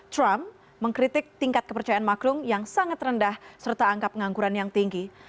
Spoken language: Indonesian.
trump mengkritik tingkat kepercayaan macron yang sangat rendah serta angkap ngangguran yang tinggi